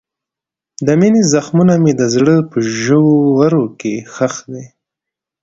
د مینې زخمونه مې د زړه په ژورو کې ښخ دي.